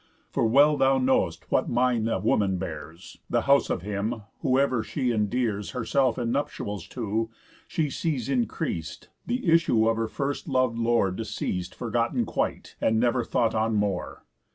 For well thou know'st what mind a woman bears; The house of him, whoever she endears Herself in nuptials to, she sees increas'd, The issue of her first lov'd lord deceas'd Forgotten quite, and never thought on more.